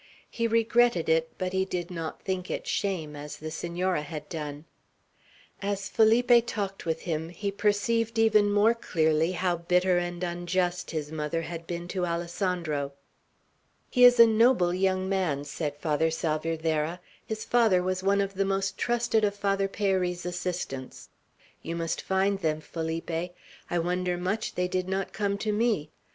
He regretted it, but he did not think it shame, as the Senora had done. As Felipe talked with him, he perceived even more clearly how bitter and unjust his mother had been to Alessandro. "He is a noble young man," said Father Salvierderra. "His father was one of the most trusted of Father Peyri's assistants. You must find them, Felipe. I wonder much they did not come to me.